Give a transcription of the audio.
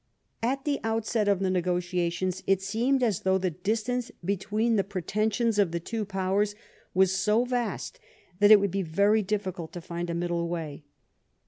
At the outset of the negotiations it seemed as though the distance between the pretensions of the two Powers was so vast that it would be very difficult to find a middle way.